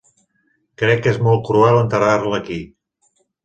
Crec que és molt cruel enterrar-la aquí.